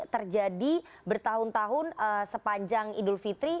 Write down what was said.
terjadi bertahun tahun sepanjang idul fitri